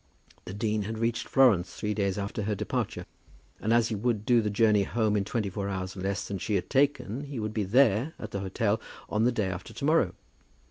The dean had reached Florence three days after her departure; and as he would do the journey home in twenty four hours less than she had taken, he would be there, at the hotel, on the day after to morrow.